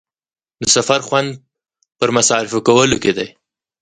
د سفر خوند پر مصارفو کولو کې دی.